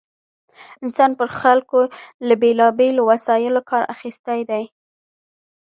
انسان پر خلکو له بېلا بېلو وسایلو کار اخیستی دی.